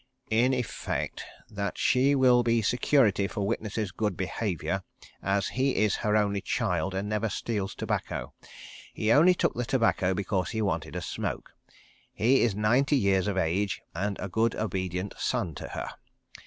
"In effect—that she will be security for witness's good behaviour, as he is her only child and never steals tobacco. He only took the tobacco because he wanted a smoke. He is ninety years of age, and a good obedient son to her.